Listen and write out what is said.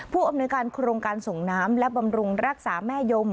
ผู้อำนวยการโครงการส่งน้ำและบำรุงรักษาแม่ยม